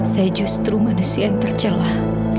saya justru manusia yang tercelah